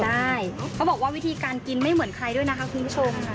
เขาบอกว่าวิธีการกินไม่เหมือนใครด้วยนะคะคุณผู้ชม